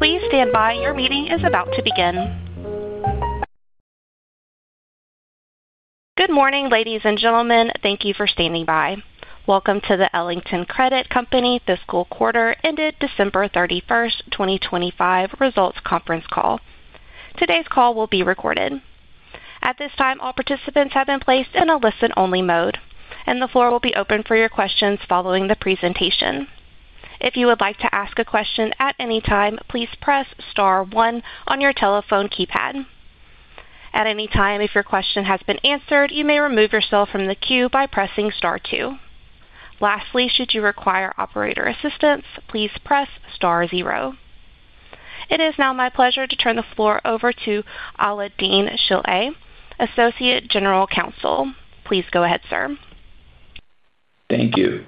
Please stand by. Your meeting is about to begin. Good morning, ladies and gentlemen. Thank you for standing by. Welcome to the Ellington Credit Company Fiscal Quarter ended December 31st, 2025 results conference call. Today's call will be recorded. At this time, all participants have been placed in a listen-only mode, and the floor will be open for your questions following the presentation. If you would like to ask a question at any time, please press star 1 on your telephone keypad. At any time, if your question has been answered, you may remove yourself from the queue by pressing star 2. Lastly, should you require operator assistance, please press star 0. It is now my pleasure to turn the floor over to Alaael-Deen Shilleh, Associate General Counsel. Please go ahead, sir. Thank you.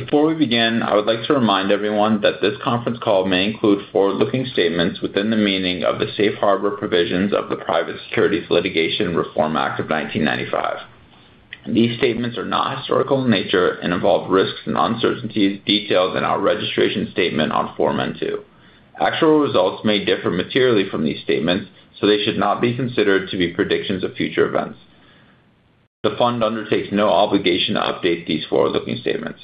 Before we begin, I would like to remind everyone that this conference call may include forward-looking statements within the meaning of the Safe Harbor Provisions of the Private Securities Litigation Reform Act of 1995. These statements are not historical in nature and involve risks and uncertainties detailed in our registration statement on Form N-2. Actual results may differ materially from these statements, so they should not be considered to be predictions of future events. The fund undertakes no obligation to update these forward-looking statements.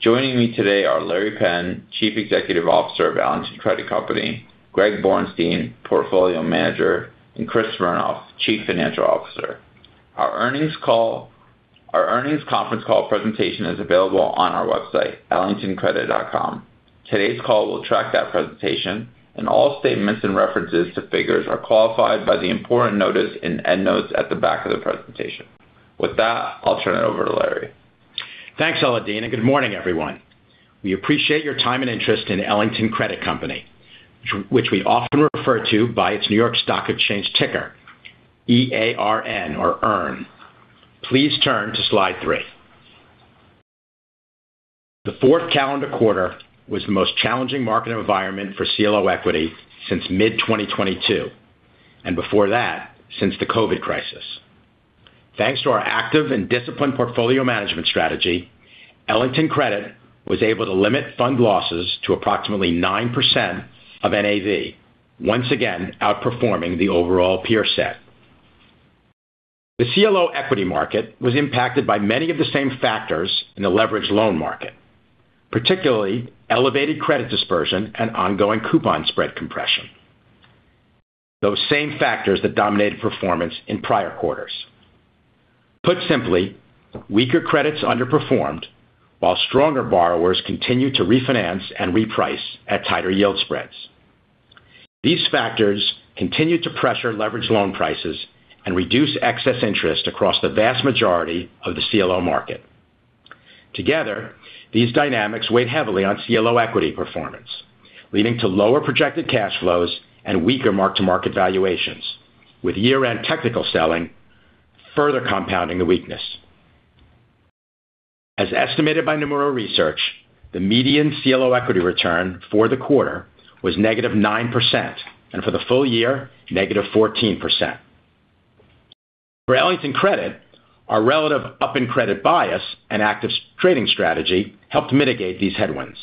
Joining me today are Larry Penn, Chief Executive Officer of Ellington Credit Company, Greg Borenstein, Portfolio Manager, and Chris Merna, Chief Financial Officer. Our earnings conference call presentation is available on our website, ellingtoncredit.com. Today's call will track that presentation, and all statements and references to figures are qualified by the important notice in endnotes at the back of the presentation. With that, I'll turn it over to Larry. Thanks, Alain. Good morning, everyone. We appreciate your time and interest in Ellington Credit Company, which we often refer to by its New York Stock Exchange ticker, E-A-R-N or EARN. Please turn to slide 3. The fourth calendar quarter was the most challenging market environment for CLO equity since mid-2022. Before that, since the COVID crisis. Thanks to our active and disciplined portfolio management strategy, Ellington Credit was able to limit fund losses to approximately 9% of NAV, once again outperforming the overall peer set. The CLO equity market was impacted by many of the same factors in the leveraged loan market, particularly elevated credit dispersion and ongoing coupon spread compression. Those same factors that dominated performance in prior quarters. Put simply, weaker credits underperformed while stronger borrowers continued to refinance and reprice at tighter yield spreads. These factors continued to pressure leveraged loan prices and reduce excess interest across the vast majority of the CLO market. Together, these dynamics weighed heavily on CLO equity performance, leading to lower projected cash flows and weaker mark-to-market valuations, with year-end technical selling further compounding the weakness. As estimated by Nomura Research, the median CLO equity return for the quarter was negative 9%, and for the full year, negative 14%. For Ellington Credit Company, our relative up in credit bias and active trading strategy helped mitigate these headwinds.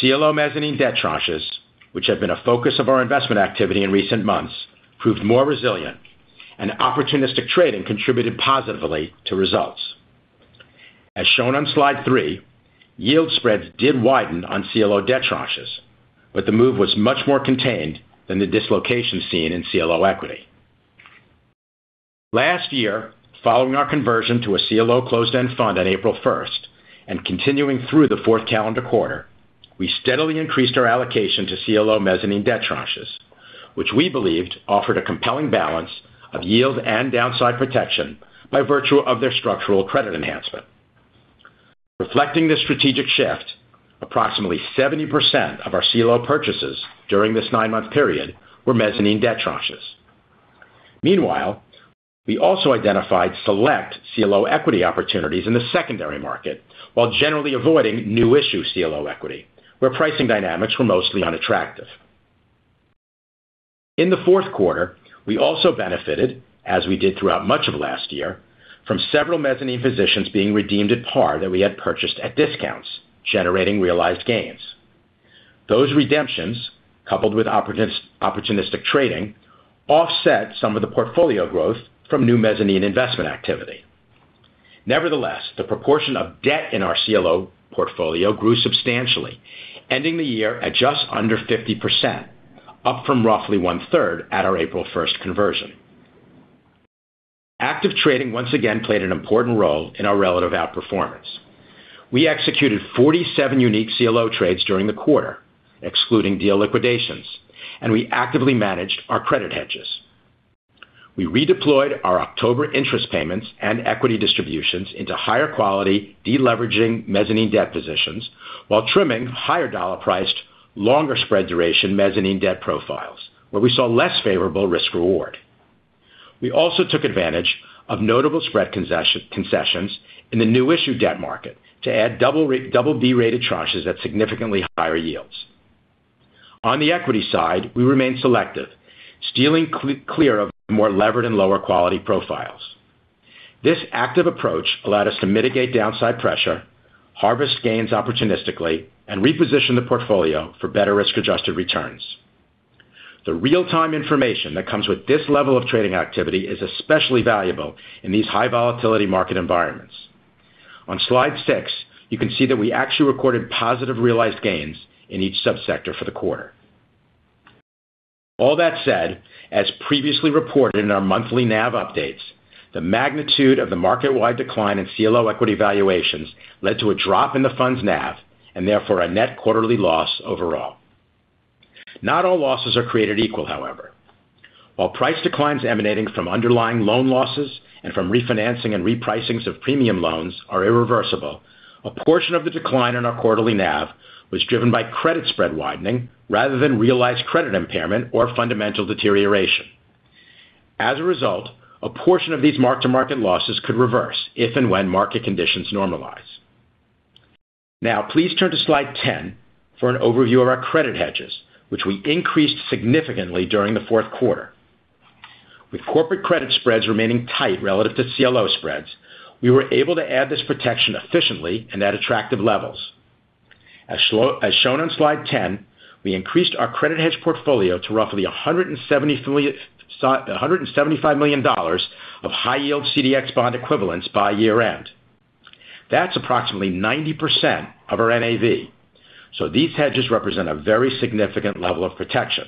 CLO mezzanine debt tranches, which have been a focus of our investment activity in recent months, proved more resilient. Opportunistic trading contributed positively to results. As shown on slide 3, yield spreads did widen on CLO debt tranches. The move was much more contained than the dislocation seen in CLO equity. Last year, following our conversion to a CLO closed-end fund on April first and continuing through the fourth calendar quarter, we steadily increased our allocation to CLO mezzanine debt tranches, which we believed offered a compelling balance of yield and downside protection by virtue of their structural credit enhancement. Reflecting this strategic shift, approximately 70% of our CLO purchases during this nine month period were mezzanine debt tranches. Meanwhile, we also identified select CLO equity opportunities in the secondary market while generally avoiding new issue CLO equity, where pricing dynamics were mostly unattractive. In the fourth quarter, we also benefited, as we did throughout much of last year, from several mezzanine positions being redeemed at par that we had purchased at discounts, generating realized gains. Those redemptions, coupled with opportunistic trading, offset some of the portfolio growth from new mezzanine investment activity. Nevertheless, the proportion of debt in our CLO portfolio grew substantially, ending the year at just under 50%, up from roughly one-third at our April 1st conversion. Active trading once again played an important role in our relative outperformance. We executed 47 unique CLO trades during the quarter, excluding deal liquidations, and we actively managed our credit hedges. We redeployed our October interest payments and equity distributions into higher quality deleveraging mezzanine debt positions while trimming higher dollar priced, longer spread duration mezzanine debt profiles where we saw less favorable risk reward. We also took advantage of notable spread concessions in the new issue debt market to add double B-rated tranches at significantly higher yields. On the equity side, we remain selective, steering clear of more levered and lower quality profiles. This active approach allowed us to mitigate downside pressure, harvest gains opportunistically, and reposition the portfolio for better risk-adjusted returns. The real-time information that comes with this level of trading activity is especially valuable in these high volatility market environments. On slide six, you can see that we actually recorded positive realized gains in each sub-sector for the quarter. All that said, as previously reported in our monthly NAV updates, the magnitude of the market-wide decline in CLO equity valuations led to a drop in the fund's NAV and therefore a net quarterly loss overall. Not all losses are created equal, however. While price declines emanating from underlying loan losses and from refinancing and repricings of premium loans are irreversible, a portion of the decline in our quarterly NAV was driven by credit spread widening rather than realized credit impairment or fundamental deterioration. As a result, a portion of these mark-to-market losses could reverse if and when market conditions normalize. Please turn to slide 10 for an overview of our credit hedges, which we increased significantly during the fourth quarter. With corporate credit spreads remaining tight relative to CLO spreads, we were able to add this protection efficiently and at attractive levels. As shown on slide 10, we increased our credit hedge portfolio to roughly $175 million of high-yield CDX bond equivalents by year-end. That's approximately 90% of our NAV, so these hedges represent a very significant level of protection.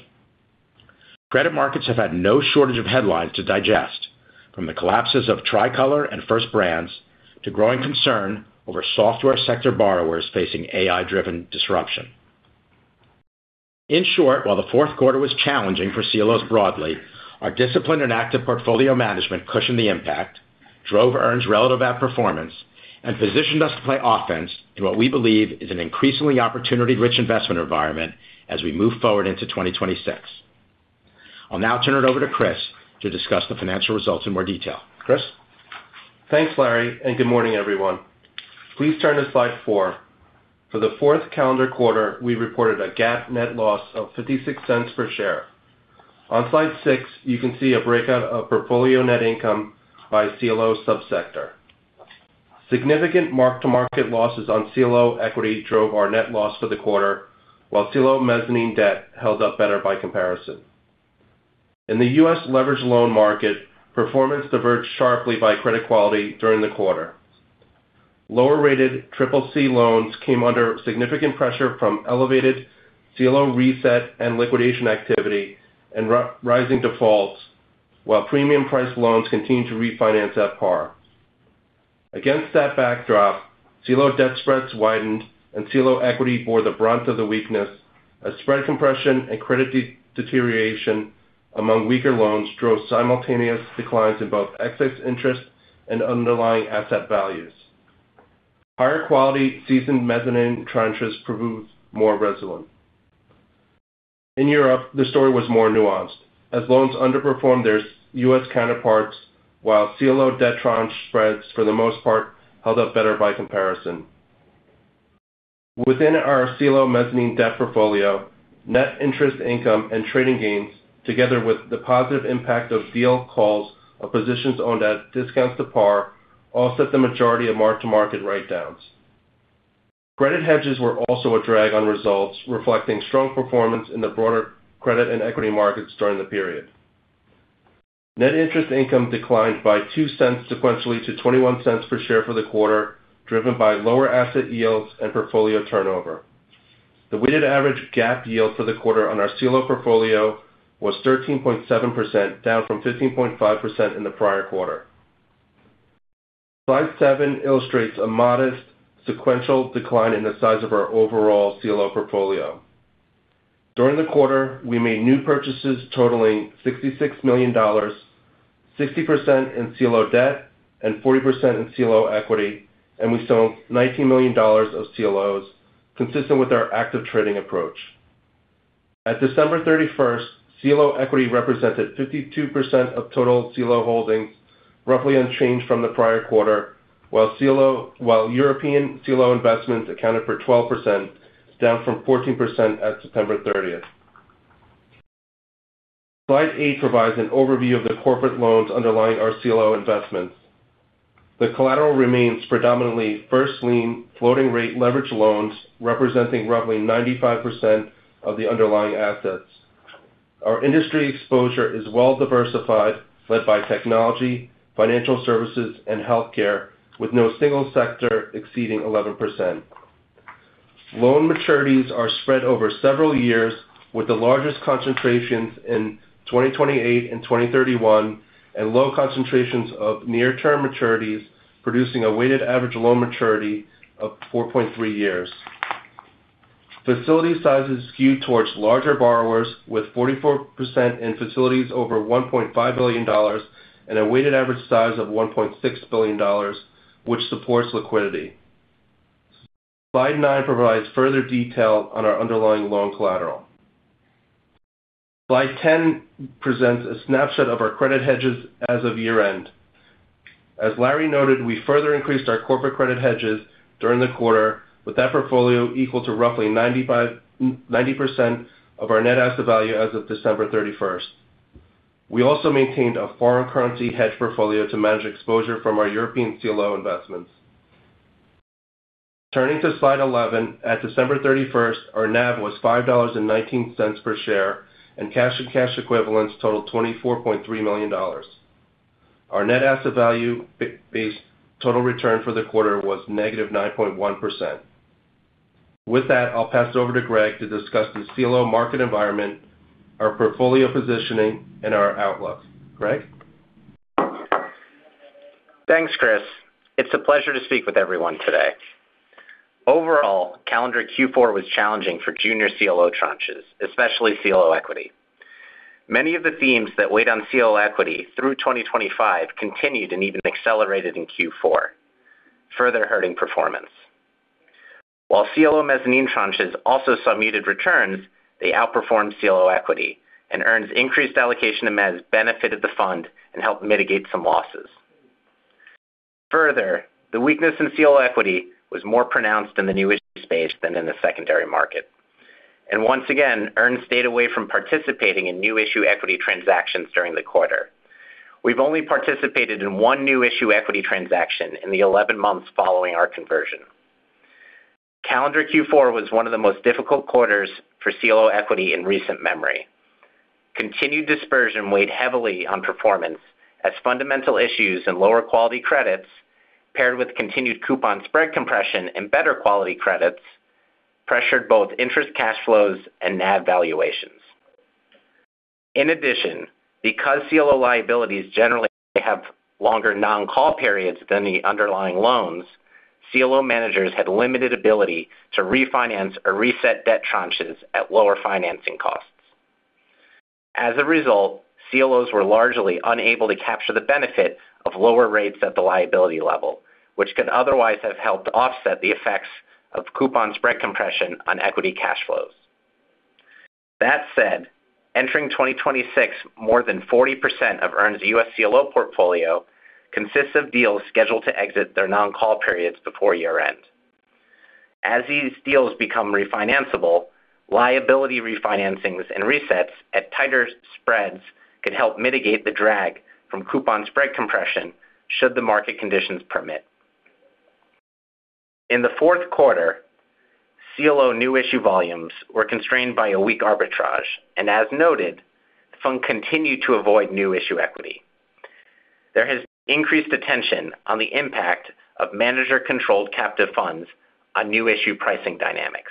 Credit markets have had no shortage of headlines to digest, from the collapses of Tricolor and First Brands to growing concern over software sector borrowers facing AI-driven disruption. In short, while the 4th quarter was challenging for CLOs broadly, our disciplined and active portfolio management cushioned the impact, drove EARN relative outperformance, and positioned us to play offense in what we believe is an increasingly opportunity-rich investment environment as we move forward into 2026. I'll now turn it over to Chris to discuss the financial results in more detail. Chris? Thanks, Larry. Good morning, everyone. Please turn to slide 4. For the 4th calendar quarter, we reported a GAAP net loss of $0.56 per share. On slide 6, you can see a breakout of portfolio net income by CLO sub-sector. Significant mark-to-market losses on CLO equity drove our net loss for the quarter, while CLO mezzanine debt held up better by comparison. In the U.S. leverage loan market, performance diverged sharply by credit quality during the quarter. Lower-rated CCC loans came under significant pressure from elevated CLO reset and liquidation activity and rising defaults, while premium priced loans continued to refinance at par. Against that backdrop, CLO debt spreads widened and CLO equity bore the brunt of the weakness as spread compression and credit deterioration among weaker loans drove simultaneous declines in both excess interest and underlying asset values. Higher quality seasoned mezzanine tranches proved more resilient. In Europe, the story was more nuanced, as loans underperformed their U.S. counterparts, while CLO debt tranche spreads for the most part held up better by comparison. Within our CLO mezzanine debt portfolio, net interest income and trading gains, together with the positive impact of deal calls of positions owned at discounts to par, offset the majority of mark-to-market write-downs. Credit hedges were also a drag on results, reflecting strong performance in the broader credit and equity markets during the period. Net interest income declined by $0.02 sequentially to $0.21 per share for the quarter, driven by lower asset yields and portfolio turnover. The weighted average GAAP yield for the quarter on our CLO portfolio was 13.7%, down from 15.5% in the prior quarter. Slide 7 illustrates a modest sequential decline in the size of our overall CLO portfolio. During the quarter, we made new purchases totaling $66 million, 60% in CLO debt and 40% in CLO equity, and we sold $19 million of CLOs, consistent with our active trading approach. At December 31st, CLO equity represented 52% of total CLO holdings, roughly unchanged from the prior quarter, while CLO while European CLO investments accounted for 12%, down from 14% at September 30th. Slide 8 provides an overview of the corporate loans underlying our CLO investments. The collateral remains predominantly first lien, floating rate leverage loans representing roughly 95% of the underlying assets. Our industry exposure is well diversified, led by technology, financial services, and healthcare, with no single sector exceeding 11%. Loan maturities are spread over several years, with the largest concentrations in 2028 and 2031, and low concentrations of near-term maturities, producing a weighted average loan maturity of 4.3 years. Facility sizes skew towards larger borrowers with 44% in facilities over $1.5 billion and a weighted average size of $1.6 billion, which supports liquidity. Slide nine provides further detail on our underlying loan collateral. Slide 10 presents a snapshot of our credit hedges as of year-end. As Larry noted, we further increased our corporate credit hedges during the quarter, with that portfolio equal to roughly 90% of our net asset value as of December 31st. We also maintained a foreign currency hedge portfolio to manage exposure from our European CLO investments. Turning to slide 11. At December 31st, our NAV was $5.19 per share, and cash and cash equivalents totaled $24.3 million. Our net asset value based total return for the quarter was negative 9.1%. With that, I'll pass it over to Greg to discuss the CLO market environment, our portfolio positioning, and our outlook. Greg? Thanks, Chris. It's a pleasure to speak with everyone today. Overall, calendar Q4 was challenging for junior CLO tranches, especially CLO equity. Many of the themes that weighed on CLO equity through 2025 continued and even accelerated in Q4, further hurting performance. While CLO mezzanine tranches also saw muted returns, they outperformed CLO equity, EARN's increased allocation to mezz benefited the fund and helped mitigate some losses. Further, the weakness in CLO equity was more pronounced in the new issue space than in the secondary market. Once again, EARN stayed away from participating in new issue equity transactions during the quarter. We've only participated in one new issue equity transaction in the 11 months following our conversion. Calendar Q4 was one of the most difficult quarters for CLO equity in recent memory. Continued dispersion weighed heavily on performance as fundamental issues and lower quality credits, paired with continued coupon spread compression and better quality credits, pressured both interest cash flows and NAV valuations. In addition, because CLO liabilities generally have longer non-call periods than the underlying loans, CLO managers had limited ability to refinance or reset debt tranches at lower financing costs. As a result, CLOs were largely unable to capture the benefit of lower rates at the liability level, which could otherwise have helped offset the effects of coupon spread compression on equity cash flows. That said, entering 2026, more than 40% of EARN's US CLO portfolio consists of deals scheduled to exit their non-call periods before year-end. As these deals become refinanceable, liability refinancings and resets at tighter spreads could help mitigate the drag from coupon spread compression should the market conditions permit. In the fourth quarter, CLO new issue volumes were constrained by a weak arbitrage. As noted, the fund continued to avoid new issue equity. There has been increased attention on the impact of manager-controlled captive funds on new issue pricing dynamics.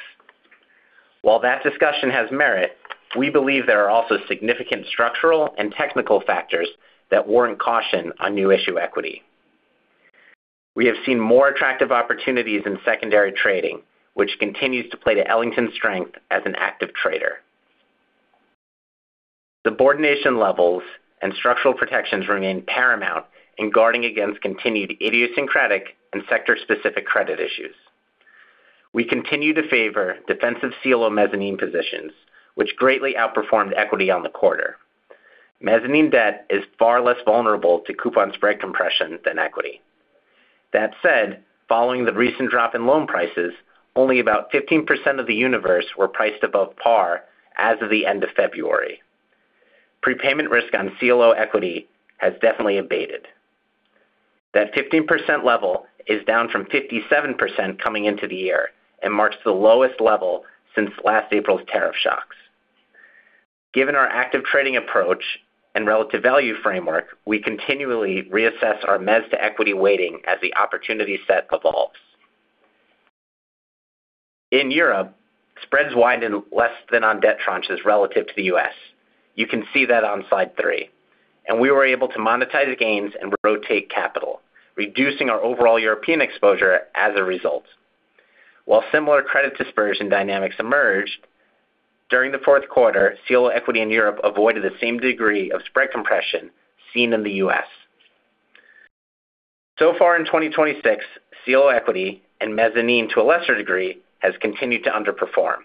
While that discussion has merit, we believe there are also significant structural and technical factors that warrant caution on new issue equity. We have seen more attractive opportunities in secondary trading, which continues to play to Ellington's strength as an active trader. Subordination levels and structural protections remain paramount in guarding against continued idiosyncratic and sector-specific credit issues. We continue to favor defensive CLO mezzanine positions, which greatly outperformed equity on the quarter. Mezzanine debt is far less vulnerable to coupon spread compression than equity. Following the recent drop in loan prices, only about 15% of the universe were priced above par as of the end of February. Prepayment risk on CLO equity has definitely abated. That 15% level is down from 57% coming into the year and marks the lowest level since last April's tariff shocks. Given our active trading approach and relative value framework, we continually reassess our mezz to equity weighting as the opportunity set evolves. In Europe, spreads widened less than on debt tranches relative to the U.S. You can see that on slide 3. We were able to monetize gains and rotate capital, reducing our overall European exposure as a result. While similar credit dispersion dynamics emerged, during the fourth quarter, CLO equity in Europe avoided the same degree of spread compression seen in the U.S. Far in 2026, CLO equity, and mezzanine to a lesser degree, has continued to underperform,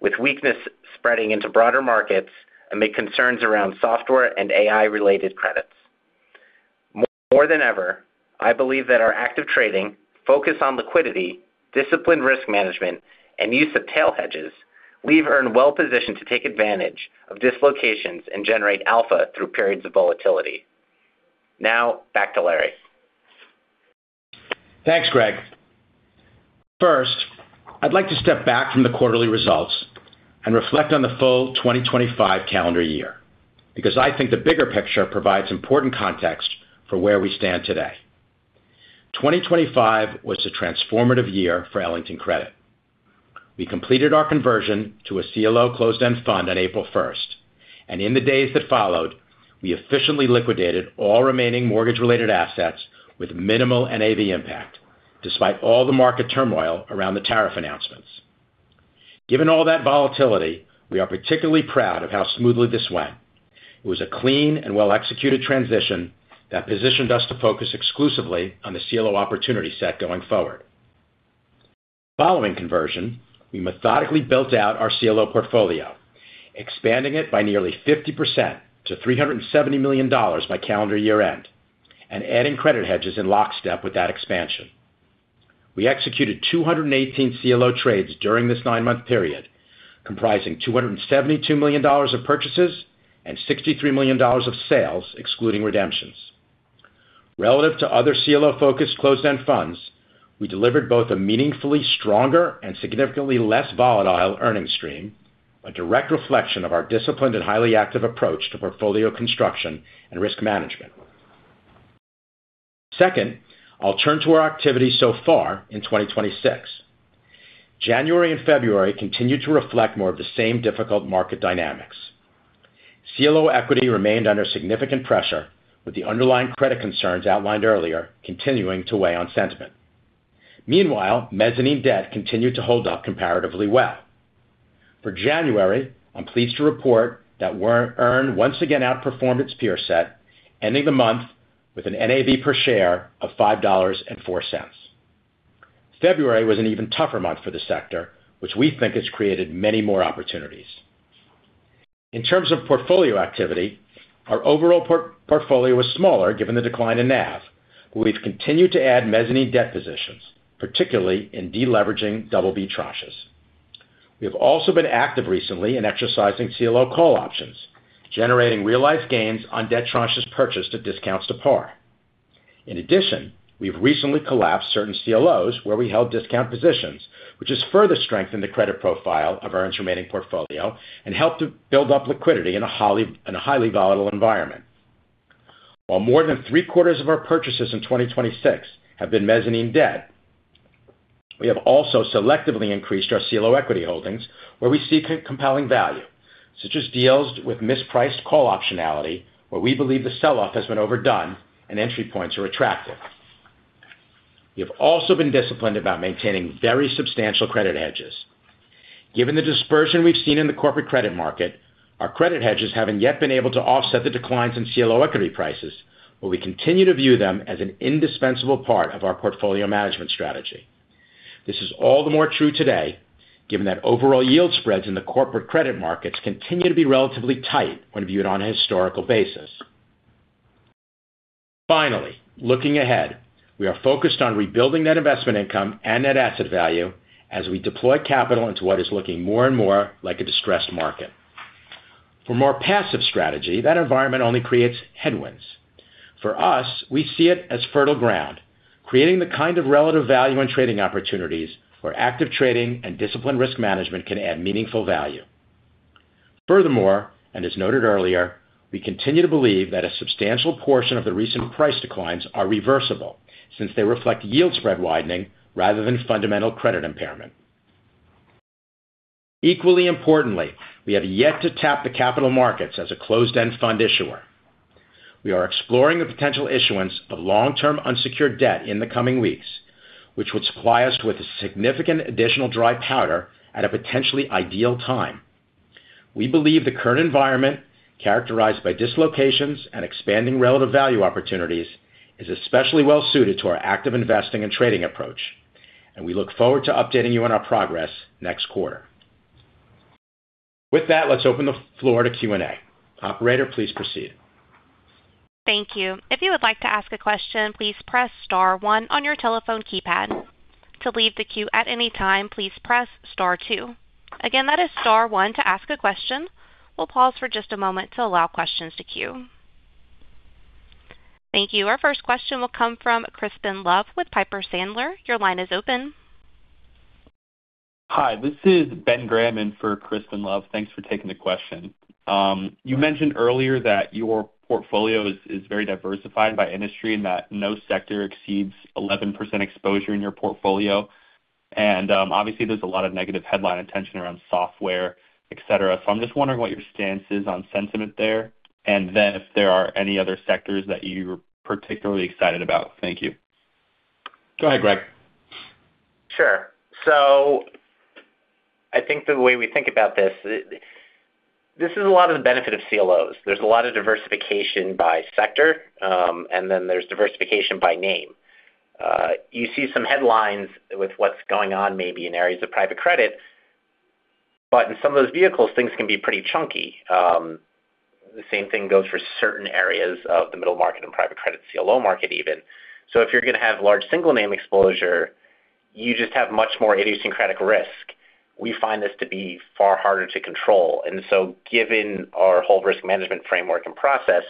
with weakness spreading into broader markets amid concerns around software and AI-related credits. More than ever, I believe that our active trading, focus on liquidity, disciplined risk management, and use of tail hedges leave EARN well-positioned to take advantage of dislocations and generate alpha through periods of volatility. Back to Larry. Thanks, Greg. First, I'd like to step back from the quarterly results and reflect on the full 2025 calendar year, because I think the bigger picture provides important context for where we stand today. 2025 was a transformative year for Ellington Credit. We completed our conversion to a CLO closed-end fund on April 1st, and in the days that followed, we efficiently liquidated all remaining mortgage-related assets with minimal NAV impact, despite all the market turmoil around the tariff announcements. Given all that volatility, we are particularly proud of how smoothly this went. It was a clean and well-executed transition that positioned us to focus exclusively on the CLO opportunity set going forward. Following conversion, we methodically built out our CLO portfolio, expanding it by nearly 50% to $370 million by calendar year-end, and adding credit hedges in lockstep with that expansion. We executed 218 CLO trades during this nine-month period. Comprising $272 million of purchases and $63 million of sales, excluding redemptions. Relative to other CLO-focused closed-end funds, we delivered both a meaningfully stronger and significantly less volatile earning stream, a direct reflection of our disciplined and highly active approach to portfolio construction and risk management. Second, I'll turn to our activity so far in 2026. January and February continued to reflect more of the same difficult market dynamics. CLO equity remained under significant pressure, with the underlying credit concerns outlined earlier continuing to weigh on sentiment. Meanwhile, mezzanine debt continued to hold up comparatively well. For January, I'm pleased to report that EARN once again outperformed its peer set, ending the month with an NAV per share of $5.04. February was an even tougher month for the sector, which we think has created many more opportunities. In terms of portfolio activity, our overall portfolio was smaller, given the decline in NAV. We've continued to add mezzanine debt positions, particularly in deleveraging double B tranches. We have also been active recently in exercising CLO call options, generating real-life gains on debt tranches purchased at discounts to par. In addition, we've recently collapsed certain CLOs where we held discount positions, which has further strengthened the credit profile of EARN's remaining portfolio and helped to build up liquidity in a highly volatile environment. More than three-quarters of our purchases in 2026 have been mezzanine debt, we have also selectively increased our CLO equity holdings where we see compelling value, such as deals with mispriced call optionality, where we believe the sell-off has been overdone and entry points are attractive. We have also been disciplined about maintaining very substantial credit hedges. Given the dispersion we've seen in the corporate credit market, our credit hedges haven't yet been able to offset the declines in CLO equity prices, we continue to view them as an indispensable part of our portfolio management strategy. This is all the more true today, given that overall yield spreads in the corporate credit markets continue to be relatively tight when viewed on a historical basis. Looking ahead, we are focused on rebuilding net investment income and net asset value as we deploy capital into what is looking more and more like a distressed market. For more passive strategy, that environment only creates headwinds. For us, we see it as fertile ground, creating the kind of relative value and trading opportunities where active trading and disciplined risk management can add meaningful value. And as noted earlier, we continue to believe that a substantial portion of the recent price declines are reversible, since they reflect yield spread widening rather than fundamental credit impairment. Equally importantly, we have yet to tap the capital markets as a closed-end fund issuer. We are exploring the potential issuance of long-term unsecured debt in the coming weeks, which would supply us with a significant additional dry powder at a potentially ideal time. We believe the current environment, characterized by dislocations and expanding relative value opportunities, is especially well suited to our active investing and trading approach, and we look forward to updating you on our progress next quarter. With that, let's open the floor to Q&A. Operator, please proceed. Thank you. If you would like to ask a question, please press star one on your telephone keypad. To leave the queue at any time, please press star two. Again, that is star one to ask a question. We'll pause for just a moment to allow questions to queue. Thank you. Our first question will come from Crispin Love with Piper Sandler. Your line is open. Hi, this is Benjamin Graham in for Crispin Love. Thanks for taking the question. You mentioned earlier that your portfolio is very diversified by industry and that no sector exceeds 11% exposure in your portfolio. Obviously there's a lot of negative headline attention around software, et cetera. I'm just wondering what your stance is on sentiment there, and then if there are any other sectors that you're particularly excited about. Thank you. Go ahead, Greg. Sure. I think the way we think about this is a lot of the benefit of CLOs. There's a lot of diversification by sector, and then there's diversification by name. You see some headlines with what's going on maybe in areas of private credit, but in some of those vehicles, things can be pretty chunky. The same thing goes for certain areas of the middle market and private credit CLO market even. If you're gonna have large single name exposure, you just have much more idiosyncratic risk. We find this to be far harder to control. Given our whole risk management framework and process,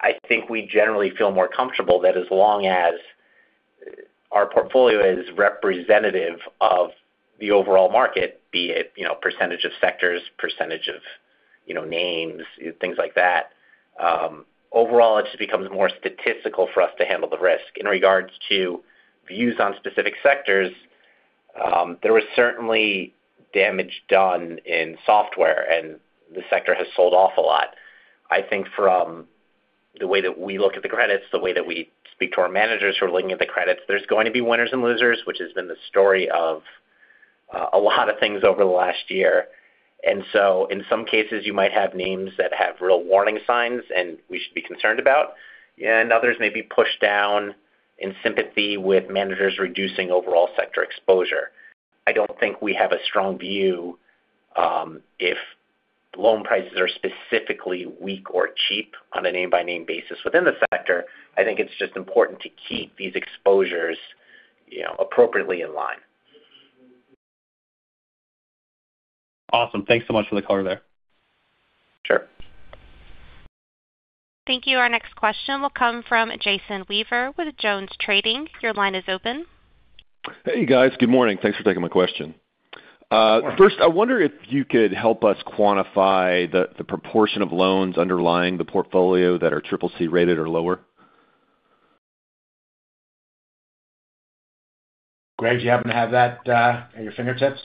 I think we generally feel more comfortable that as long as our portfolio is representative of the overall market, be it, you know, percentage of sectors, percentage of, you know, names, things like that, overall, it just becomes more statistical for us to handle the risk. In regards to views on specific sectors, there was certainly damage done in software, and the sector has sold off a lot. I think from the way that we look at the credits, the way that we speak to our managers who are looking at the credits, there's going to be winners and losers, which has been the story of a lot of things over the last year. In some cases, you might have names that have real warning signs, and we should be concerned about, and others may be pushed down in sympathy with managers reducing overall sector exposure. I don't think we have a strong view, if loan prices are specifically weak or cheap on a name-by-name basis within the sector, I think it's just important to keep these exposures, you know, appropriately in line. Awesome. Thanks so much for the color there. Sure. Thank you. Our next question will come from Jason Weaver with Jones Trading. Your line is open. Hey, guys. Good morning. Thanks for taking my question. First, I wonder if you could help us quantify the proportion of loans underlying the portfolio that are triple C rated or lower. Greg, do you happen to have that, at your fingertips?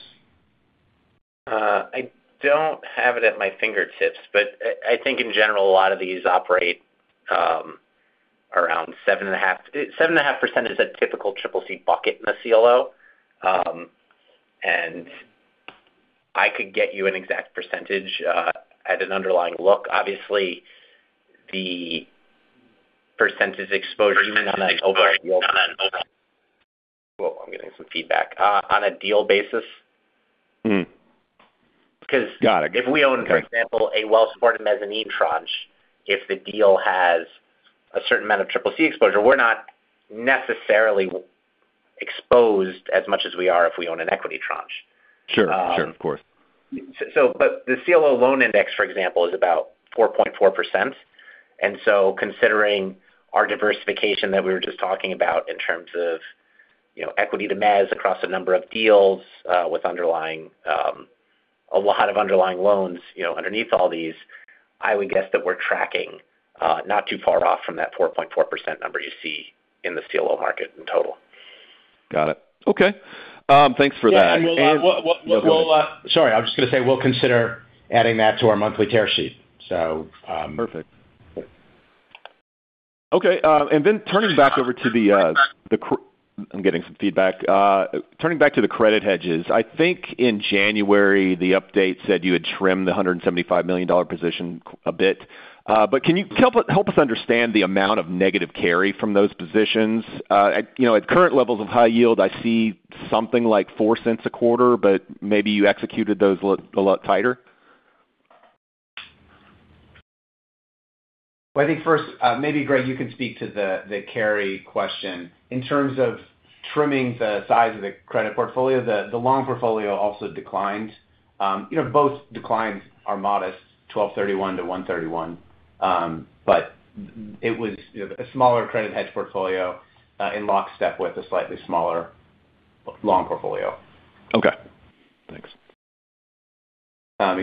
I don't have it at my fingertips, but I think in general, a lot of these operate. 7.5% is a typical CCC bucket in a CLO. I could get you an exact percentage as an underlying look. Obviously, the percentage exposure, I'm getting some feedback, on a deal basis. Got it. 'Cause if we own, for example, a well-supported mezzanine tranche, if the deal has a certain amount of CCC exposure, we're not necessarily exposed as much as we are if we own an equity tranche. Sure. Sure, of course. The CLO loan index, for example, is about 4.4%. Considering our diversification that we were just talking about in terms of, you know, equity to mezz across a number of deals, with underlying, a lot of underlying loans, you know, underneath all these, I would guess that we're tracking, not too far off from that 4.4% number you see in the CLO market in total. Got it. Okay. thanks for that. Yeah. Sorry, I was just gonna say we'll consider adding that to our monthly tear sheet. Perfect. Okay, I'm getting some feedback. Turning back to the credit hedges. I think in January, the update said you had trimmed the $175 million position a bit. Can you help us understand the amount of negative carry from those positions? At, you know, at current levels of high yield, I see something like $0.04 a quarter, but maybe you executed those a lot tighter. I think first, maybe, Greg, you can speak to the carry question. In terms of trimming the size of the credit portfolio, the loan portfolio also declined. You know, both declines are modest, 12/31 to 1/31. It was, you know, a smaller credit hedge portfolio, in lockstep with a slightly smaller loan portfolio. Okay. Thanks.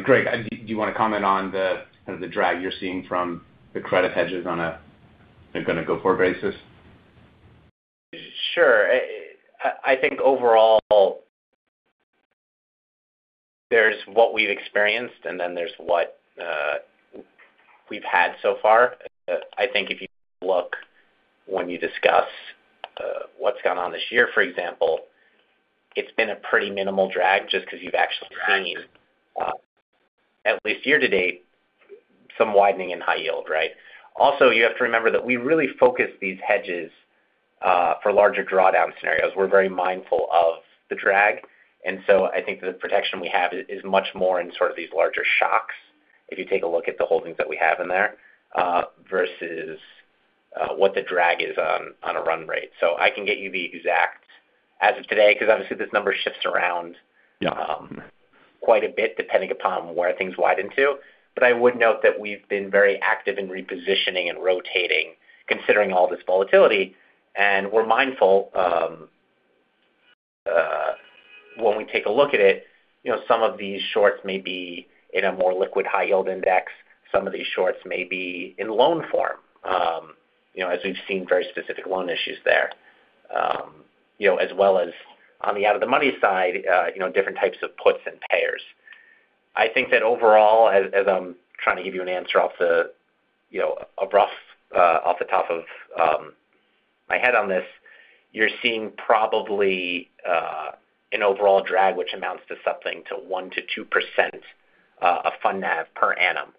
Greg, and do you wanna comment on the, kind of the drag you're seeing from the credit hedges on a, they're gonna go-forward basis? Sure. I think overall, there's what we've experienced, and then there's what we've had so far. I think if you look when you discuss what's gone on this year, for example, it's been a pretty minimal drag just 'cause you've actually seen, at least year-to-date, some widening in high-yield, right? Also, you have to remember that we really focus these hedges for larger drawdown scenarios. We're very mindful of the drag. I think the protection we have is much more in sort of these larger shocks if you take a look at the holdings that we have in there, versus what the drag is on a run rate. I can get you the exact as of today, 'cause obviously this number shifts around- Yeah. quite a bit depending upon where things widen to. I would note that we've been very active in repositioning and rotating, considering all this volatility. We're mindful, when we take a look at it, you know, some of these shorts may be in a more liquid high yield index. Some of these shorts may be in loan form, you know, as we've seen very specific loan issues there. You know, as well as on the out of the money side, you know, different types of puts and pairs. I think that overall, as I'm trying to give you an answer off the, you know, a rough, off the top of my head on this, you're seeing probably an overall drag which amounts to something to 1%-2% of fund NAV per annum.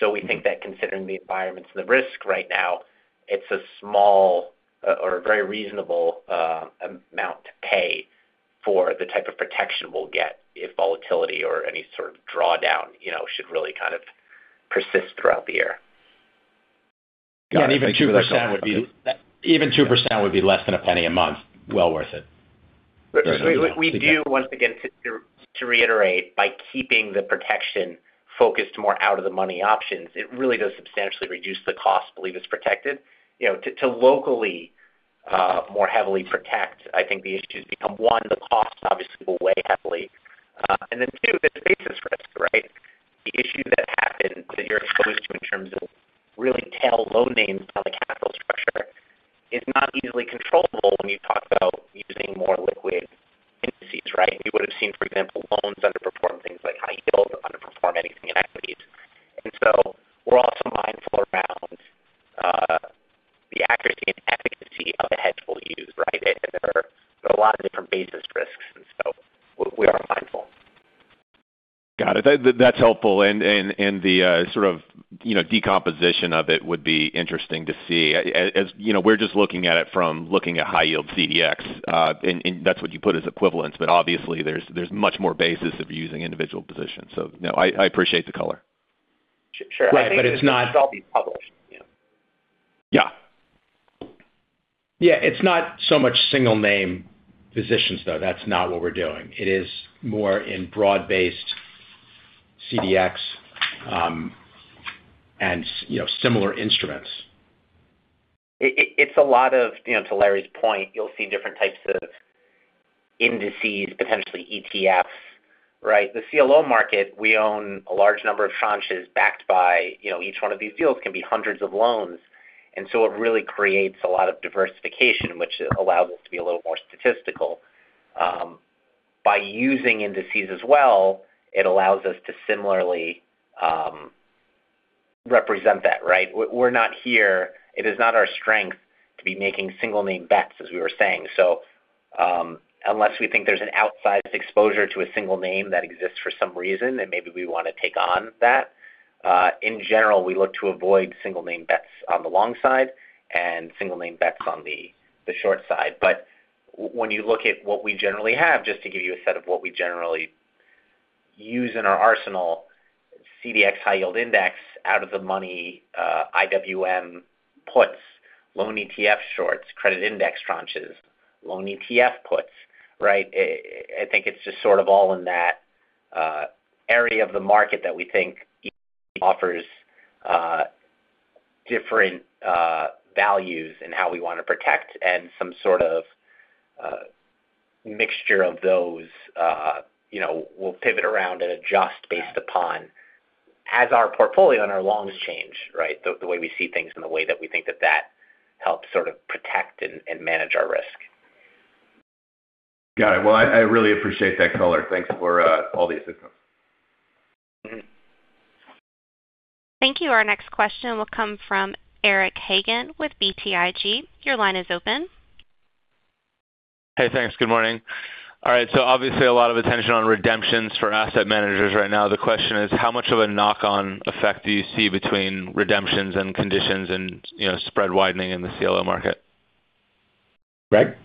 We think that considering the environments and the risk right now, it's a small or a very reasonable amount to pay for the type of protection we'll get if volatility or any sort of drawdown, you know, should really kind of persist throughout the year. Yeah, even 2% would be less than $0.01 a month, well worth it. We do once again to reiterate by keeping the protection focused more out of the money options, it really does substantially reduce the cost believe is protected. You know, to locally more heavily protect, I think the issues become, one, the cost obviously will weigh heavily. Then two, there's basis risk, right? The issue that happened that you're exposed to in terms of really tail loan names on the capital structure is not easily controllable when you talk about using more liquid indices, right? You would've seen, for example, loans underperform things like high yield or underperform any of the equities. So we're also mindful around the accuracy and efficacy of the hedge we'll use, right? There are a lot of different basis risks, so we are mindful. Got it. That's helpful. Sort of you know, decomposition of it would be interesting to see. As you know, we're just looking at high yield CDX, and that's what you put as equivalence. Obviously, there's much more basis of using individual positions. No, I appreciate the color. Sure. I think it will still be published, you know? Yeah. Yeah. It's not so much single name positions, though. That's not what we're doing. It is more in broad-based CDX, and you know, similar instruments. It's a lot of, you know, to Larry's point, you'll see different types of indices, potentially ETFs, right? The CLO market, we own a large number of tranches backed by, you know, each one of these deals can be hundreds of loans. It really creates a lot of diversification, which allows us to be a little more statistical. By using indices as well, it allows us to similarly represent that, right? We're not here. It is not our strength to be making single name bets, as we were saying. Unless we think there's an outsized exposure to a single name that exists for some reason, and maybe we wanna take on that, in general, we look to avoid single name bets on the long side and single name bets on the short side. When you look at what we generally have, just to give you a set of what we generally use in our arsenal, CDX high yield index out of the money, IWM puts, loan ETF shorts, credit index tranches, loan ETF puts, right? I think it's just sort of all in that area of the market that we think offers different values in how we wanna protect and some sort of mixture of those, you know, we'll pivot around and adjust based upon as our portfolio and our loans change, right? The way we see things and the way that we think that that helps sort of protect and manage our risk. Got it. Well, I really appreciate that color. Thanks for all the assistance. Mm-hmm. Thank you. Our next question will come from Eric Hagen with BTIG. Your line is open. Hey, thanks. Good morning. All right. Obviously a lot of attention on redemptions for asset managers right now. The question is how much of a knock-on effect do you see between redemptions and conditions and, you know, spread widening in the CLO market? Greg?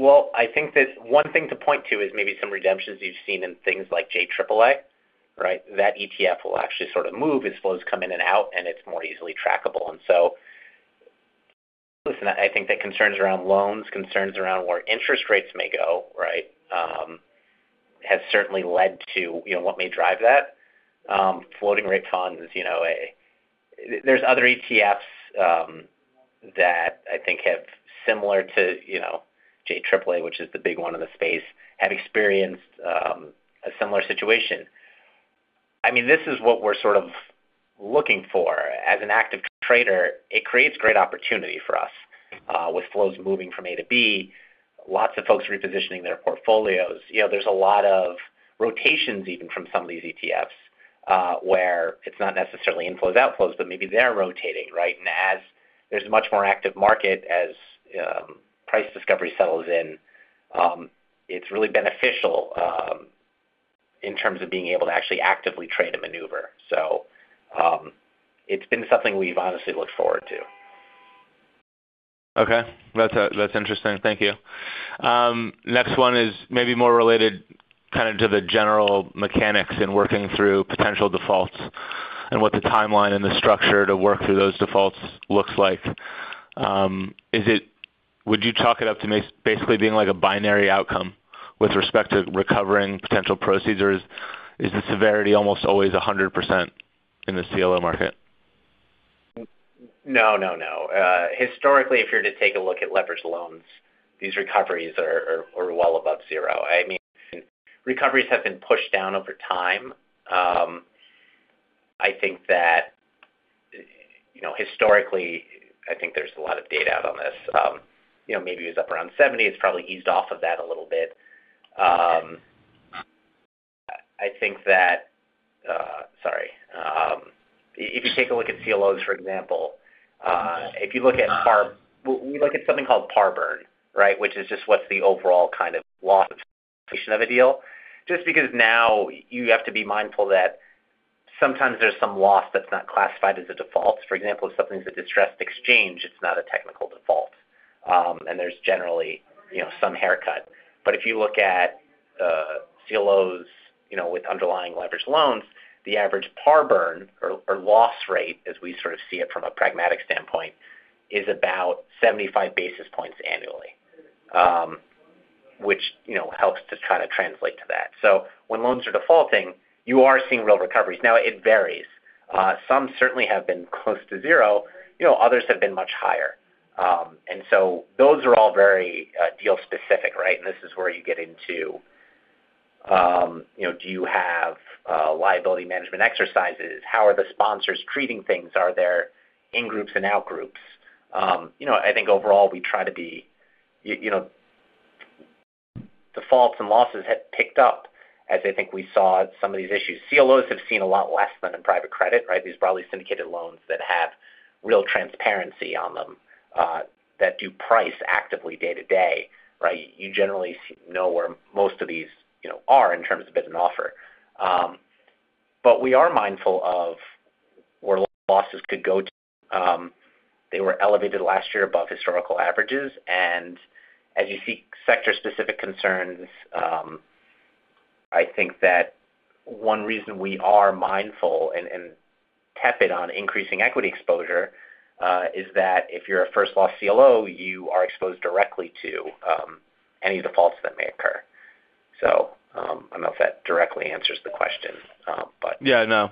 Well, I think that one thing to point to is maybe some redemptions you've seen in things like JAAA, right? That ETF will actually sort of move as flows come in and out, and it's more easily trackable. Listen, I think the concerns around loans, concerns around where interest rates may go, right, has certainly led to, you know, what may drive that. Floating rate funds, you know, There's other ETFs that I think have similar to, you know, JAAA, which is the big one in the space, have experienced a similar situation. I mean, this is what we're sort of looking for. As an active trader, it creates great opportunity for us, with flows moving from A to B, lots of folks repositioning their portfolios. You know, there's a lot of rotations even from some of these ETFs, where it's not necessarily inflows, outflows, but maybe they're rotating, right? As there's a much more active market, as price discovery settles in, it's really beneficial in terms of being able to actually actively trade and maneuver. It's been something we've honestly looked forward to. Okay. That's, that's interesting. Thank you. Next one is maybe more related kind of to the general mechanics in working through potential defaults and what the timeline and the structure to work through those defaults looks like. Would you chalk it up to basically being like a binary outcome with respect to recovering potential proceeds, or is the severity almost always 100% in the CLO market? No, no. Historically, if you were to take a look at leveraged loans, these recoveries were well above zero. I mean, recoveries have been pushed down over time. I think that, you know, historically, I think there's a lot of data out on this. You know, maybe it was up around 70. It's probably eased off of that a little bit. I think that. Sorry, if you take a look at CLOs, for example, if you look at par. We look at something called par burn, right? Which is just what's the overall kind of loss of a deal. Just because now you have to be mindful that sometimes there's some loss that's not classified as a default. For example, if something's a distressed exchange, it's not a technical default. And there's generally, you know, some haircut. If you look at CLOs, you know, with underlying leveraged loans, the average par burn or loss rate, as we sort of see it from a pragmatic standpoint, is about 75 basis points annually, which, you know, helps to kinda translate to that. When loans are defaulting, you are seeing real recoveries. Now, it varies. Some certainly have been close to 0. You know, others have been much higher. Those are all very deal specific, right? This is where you get into, you know, do you have liability management exercises? How are the sponsors treating things? Are there in-groups and out-groups? You know, defaults and losses have picked up as I think we saw some of these issues. CLOs have seen a lot less than in private credit, right? These broadly syndicated loans that have real transparency on them, that do price actively day to day, right? You generally know where most of these, you know, are in terms of bid and offer. We are mindful of where losses could go. They were elevated last year above historical averages. As you see sector-specific concerns, I think that one reason we are mindful and tepid on increasing equity exposure, is that if you're a first loss CLO, you are exposed directly to any defaults that may occur. I don't know if that directly answers the question. Yeah, no.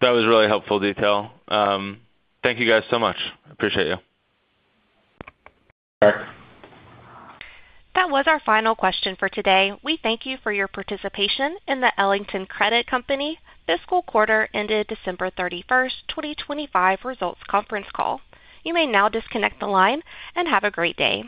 That was really helpful detail. Thank you guys so much. Appreciate you. Sure. That was our final question for today. We thank you for your participation in the Ellington Credit Company fiscal quarter ended December 31st, 2025 results conference call. You may now disconnect the line and have a great day.